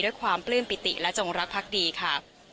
ด้วยความปลื้มปิติและจงรักพรรคดีค่ะ